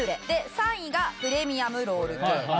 ３位がプレミアムロールケーキ。